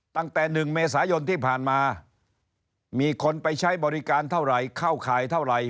ตั้งแต่๑เมษายนที่ผ่านมามีคนไปใช้บริการเท่าไหร่เข้าข่ายเท่าไหร่